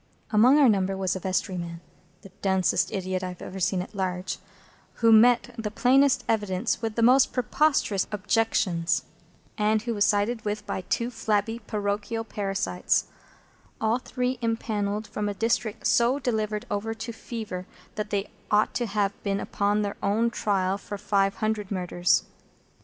Among our number was a vestryman,—the densest idiot I have ever seen at large,—who met the plainest evidence with the most preposterous objections, and who was sided with by two flabby parochial parasites; all the three impanelled from a district so delivered over to Fever that they ought to have been upon their own trial for five hundred Murders.